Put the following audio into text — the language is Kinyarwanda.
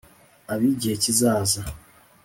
ab'igihe kizaza